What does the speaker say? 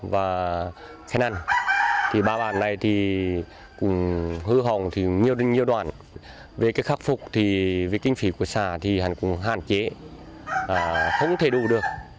ba bản này hư hỏng nhiều đoạn về khắc phục kinh phí của xã cũng hạn chế không thể đủ được